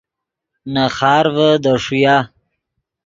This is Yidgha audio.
نے خارڤے دے ݰویا